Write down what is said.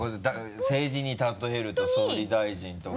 政治に例えると総理大臣とか。